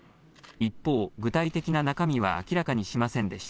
一方、具体的な中身は明らかにしませんでした。